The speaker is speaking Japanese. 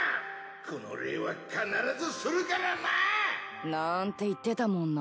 この礼は必ずするからな！！なんて言ってたもんな。